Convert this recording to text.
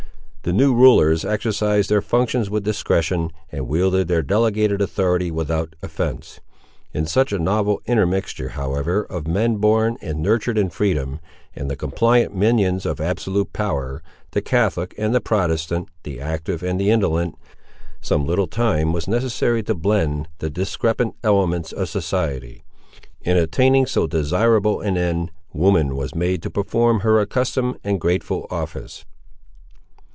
The new rulers exercised their functions with discretion, and wielded their delegated authority without offence. In such a novel intermixture, however, of men born and nurtured in freedom, and the compliant minions of absolute power, the catholic and the protestant, the active and the indolent, some little time was necessary to blend the discrepant elements of society. In attaining so desirable an end, woman was made to perform her accustomed and grateful office.